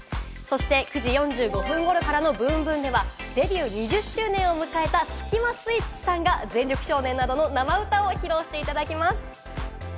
９時４５分頃からのｂｏｏｍｂｏｏｍではデビュー２０周年を迎えたスキマスイッチさんが『全力少年』などの生歌を披露していただきます。